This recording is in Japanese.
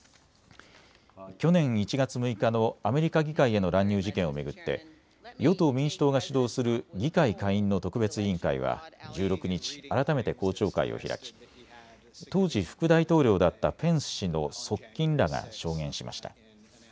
去年１月６日のアメリカ議会への乱入事件を巡って与党民主党が主導する議会下院の特別委員会は１６日、改めて公聴会を開き当時、副大統領だったペンス氏の側近らが証言しました。